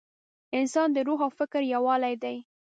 انسان د روح او فکر یووالی دی.